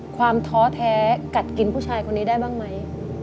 ความท้อแท้กัดกินผู้ชายคนนี้ได้บ้างมั้ย